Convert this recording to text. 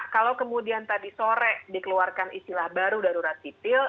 kalau kemudian tadi sore dikeluarkan istilah baru darurat sipil